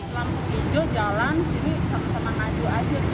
lampu hijau jalan sini sama sama ngaju aja